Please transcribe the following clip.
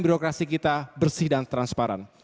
birokrasi kita bersih dan transparan